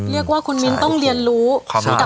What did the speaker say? เรียกว่าคุณมีนต้องเรียนรู้ความแม่ง